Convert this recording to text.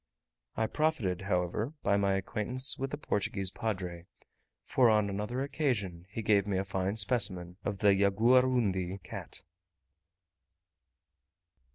I profited, however, by my acquaintance with the Portuguese padre, for on another occasion he gave me a fine specimen of the Yagouaroundi cat.